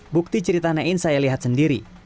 bukti cerita nein saya lihat sejak kemarin